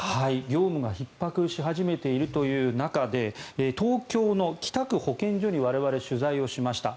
業務がひっ迫し始めているという中で東京の北区保健所に我々、取材をしました。